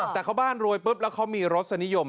แต่เขาบ้านรวยปุ๊บแล้วเขามีรสนิยม